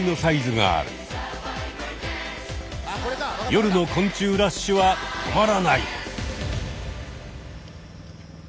夜の昆虫ラッシュは止まらない。